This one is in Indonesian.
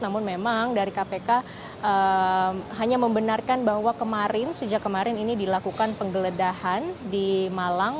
namun memang dari kpk hanya membenarkan bahwa kemarin sejak kemarin ini dilakukan penggeledahan di malang